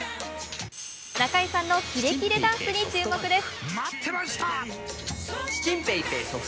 中居さんのキレキレダンスに注目です。